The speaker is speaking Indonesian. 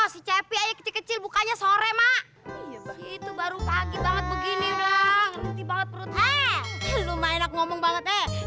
sampai jumpa di video selanjutnya